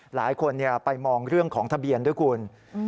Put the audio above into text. หลายคนไปมองเรื่องของทะเบียนด้วยคุณ